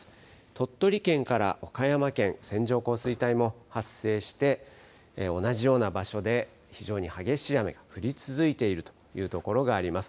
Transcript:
鳥取県から岡山県、線状降水帯も発生して、同じような場所で非常に激しい雨、降り続いているという所があります。